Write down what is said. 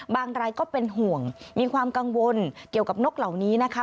รายก็เป็นห่วงมีความกังวลเกี่ยวกับนกเหล่านี้นะคะ